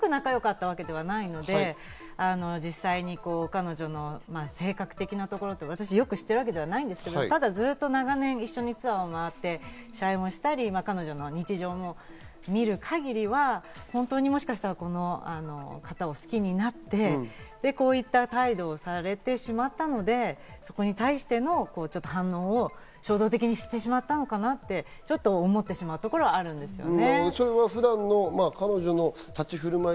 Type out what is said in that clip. すごく仲良かったわけではないので、実際に彼女の性格的なところ、私よく知っているわけではないですけど、ずっと長年一緒にツアーを回って、試合もしたり彼女の日常も見る限りは本当にもしかしたらこの方を好きになって、こういった態度をされてしまったのでそこに対しての反応を衝動的にしてしまったのかなと思ってしまうところはあるんですね。